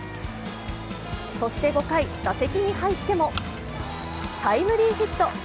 そして５回、打席に入ってもタイムリーヒット。